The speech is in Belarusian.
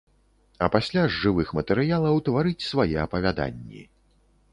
А пасля з жывых матэрыялаў тварыць свае апавяданні.